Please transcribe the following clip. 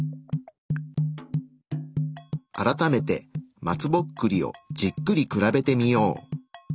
改めて松ぼっくりをじっくり比べてみよう。